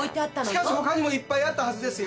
しかしほかにもいっぱいあったはずですよ。